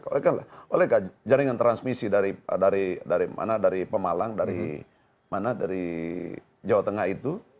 oleh karena jaringan transmisi dari pemalang dari jawa tengah itu